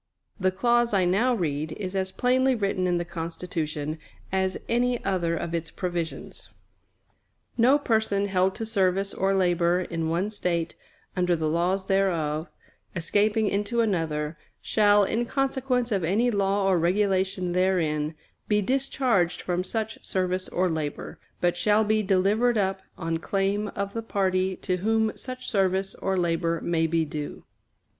The clause I now read is as plainly written in the Constitution as any other of its provisions: "No person held to service or labor in one State under the laws thereof, escaping into another, shall, in consequence of any law or regulation therein, be discharged from such service or labor, but shall be delivered up on claim of the party to whom such service or labor may be due."